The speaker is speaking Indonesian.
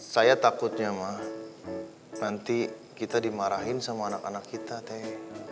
saya takutnya mah nanti kita dimarahin sama anak anak kita teh